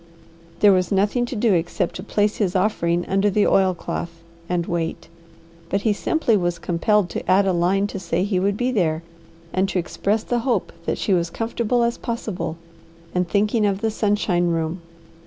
There was nothing to do except to place his offering under the oilcloth and wait, but he simply was compelled to add a line to say he would be there, and to express the hope that she was comfortable as possible and thinking of the sunshine room.